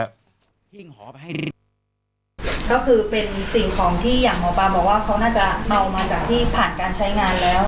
ก็คือเป็นสิ่งของที่อย่างหมอปลาบอกว่าเขาน่าจะเอามาจากที่ผ่านการใช้งานแล้ว